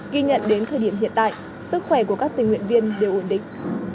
ghi nhận đến thời điểm hiện tại sức khỏe của các tình nguyện viên đều ổn định